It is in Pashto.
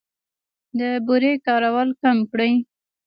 د بورې کارول کم کړئ.